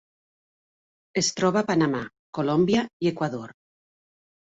Es troba a Panamà, Colòmbia i Equador.